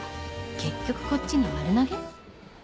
結局こっちに丸投げ？